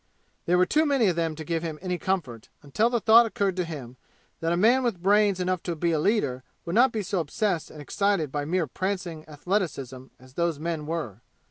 There were too many of them to give him any comfort, until the thought occurred to him that a man with brains enough to be a leader would not be so obsessed and excited by mere prancing athleticism as those men were.